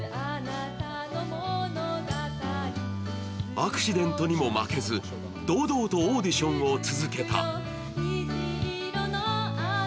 アクシデントにも負けず、堂々とオーディションを続けた。